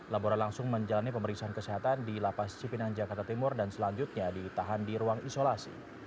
labora langsung menjalani pemeriksaan kesehatan di lapas cipinang jakarta timur dan selanjutnya ditahan di ruang isolasi